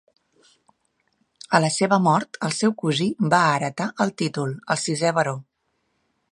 A la seva mort, el seu cosí va heretar el títol, el sisè Baró.